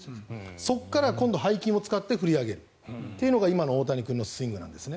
そこから今度は背筋を使って振り上げるというのが今の大谷君のスイングなんですね。